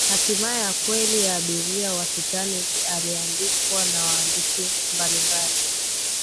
hatima ya kweli ya abiria wa titanic iliandikwa na waandishi mbalimbali